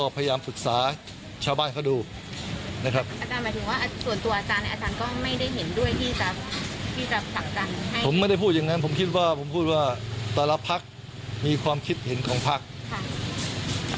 ผมไม่ได้พูดอย่างนั้นผมพูดว่าแต่ละภักดิ์มีความคิดเห็นของภักดิ์